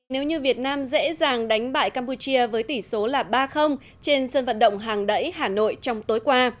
nếu như việt nam dễ dàng đánh bại campuchia với tỷ số là ba trên sân vận động hàng đẩy hà nội trong tối qua